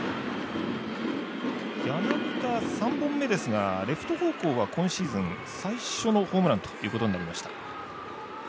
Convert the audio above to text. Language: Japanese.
柳田３本目ですがレフト方向は今シーズン最初のホームランということになりました。